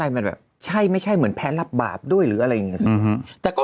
มันแบบใช่ไม่ใช่เหมือนแพ้รับบาปด้วยหรืออะไรอย่างนี้